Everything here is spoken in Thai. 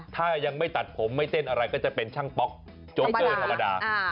ถ้ายังไม่ตัดผมไม่เต้นอะไรก็จะเป็นช่างป๊อกโจ๊เกอร์ธรรมดา